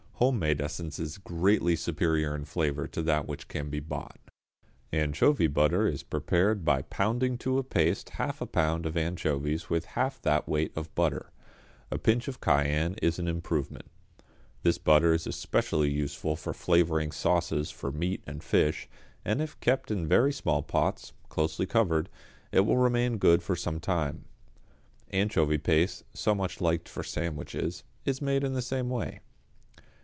Home made essence is greatly superior in flavour to that which can be bought. =Anchovy Butter= is prepared by pounding to a paste half a pound of anchovies with half that weight of butter. A pinch of cayenne is an improvement. This butter is especially useful for flavouring sauces for meat and fish, and if kept in very small pots, closely covered, it will remain good for some time. Anchovy Paste, so much liked for sandwiches, is made in the same way.